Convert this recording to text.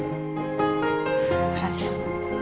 terima kasih ibu